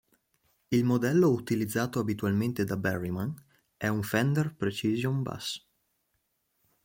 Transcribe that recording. Il modello utilizzato abitualmente da Berryman è un Fender Precision Bass.